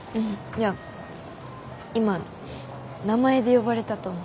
いや今名前で呼ばれたと思って。